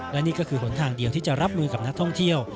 และนี่ก็คือหนทางเดียวที่จะรับมือกับนักท่องเที่ยว